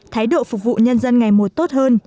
thái độ phục vụ nhân dân ngày một tốt hơn